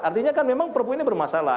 artinya kan memang perpu ini bermasalah